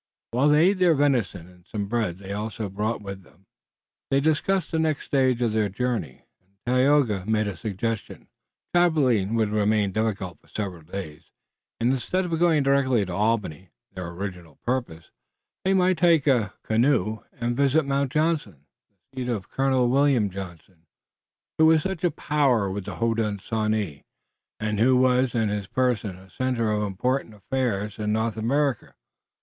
While they ate their venison and some bread they had also brought with them, they discussed the next stage of their journey, and Tayoga made a suggestion. Traveling would remain difficult for several days, and instead of going directly to Albany, their original purpose, they might take a canoe, and visit Mount Johnson, the seat of Colonel William Johnson, who was such a power with the Hodenosaunee, and who was in his person a center of important affairs in North America.